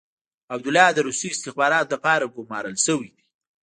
عبدالله د روسي استخباراتو لپاره ګمارل شوی دی.